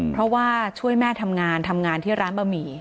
เพราะว่าช่วยแม่ทำงานทำงานที่ร้านบะหมี่